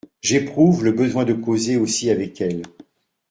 J’éprouve le besoin de causer aussi avec elle !…